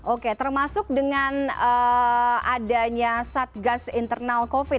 oke termasuk dengan adanya satgas internal covid